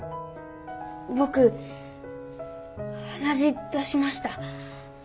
僕鼻血出しました。